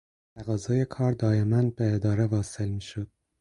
تقاضای کار دایما به اداره واصل میشد.